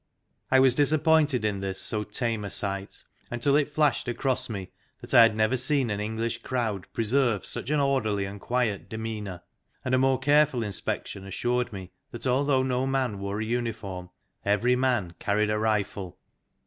I was disappointed in this so tame a sight, until it flashed across me that I had never seen an English crowd preserve such an orderly and quiet demeanour ; and a more careful inspection assured me that although no man wore a uniform, every man carried a rifle.